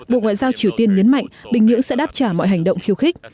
bộ ngoại giao triều tiên nhấn mạnh bình nhưỡng sẽ đáp trả mọi hành động khiêu khích